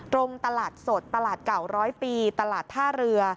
ตรงตลาดสดตลาดเก่า๑๐๐ปีตลาดผ้ารือ